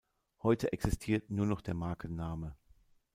Heute existiert nur noch der Markenname.